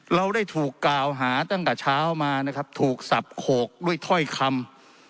เราได้ถูกกล่าวหาตั้งแต่เช้ามานะครับถูกสับโขกด้วยถ้อยคำ